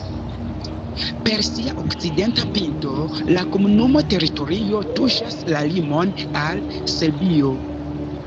Per sia okcidenta pinto la komunuma teritorio tuŝas la limon al Serbio.